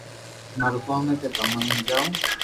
مارو ڪوم ھي ڪي تمو ني ھمجاو